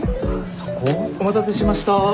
そこ？お待たせしました。